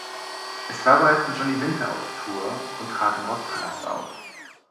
Es war bereits mit Johnny Winter auf Tour und trat im "Rockpalast" auf.